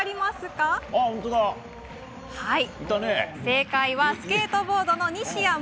正解はスケートボードの西矢椛。